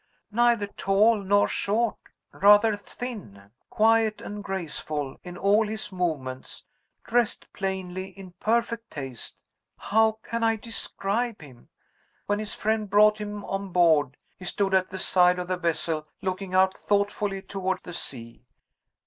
"Neither tall nor short rather thin quiet and graceful in all his movements dressed plainly, in perfect taste. How can I describe him? When his friend brought him on board, he stood at the side of the vessel, looking out thoughtfully toward the sea.